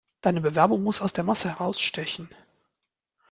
Deine Bewerbung muss aus der Masse herausstechen.